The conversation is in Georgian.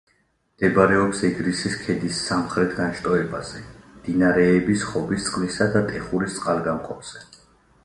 მდებარეობს ეგრისის ქედის სამხრეთ განშტოებაზე, მდინარეების ხობისწყლისა და ტეხურის წყალგამყოფზე.